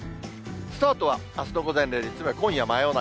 スタートはあすの午前０時、つまり今夜真夜中。